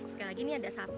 sekali lagi ini ada